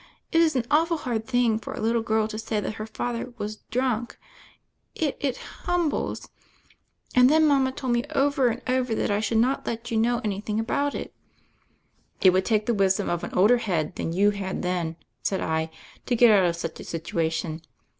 It is an awful hard thing for a little girl to say that her father was drunk ; it — it — humbles. And, then, mama told me over and over that I should not let you know anything about it." "It would take the wisdom of an older head than you had then," said I, "to get out of such a situation.